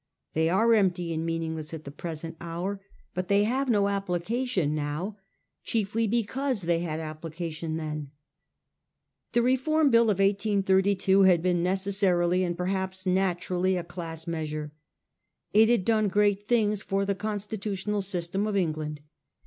They are empty and meaningless at the present hour ; but they have no application now chiefly because they had applica tion then. The Reform Bill of 1882 had been necessarily and perhaps naturally a class measure. It had done great things for the constitutional system of England.